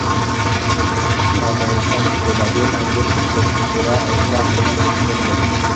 په افغانستان کې بېلابېل انګور په پوره او پراخه کچه شتون لري.